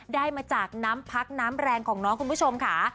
ได้มาจากน้ำพักน้ำแรงของน้องคุณผู้ชมค่ะ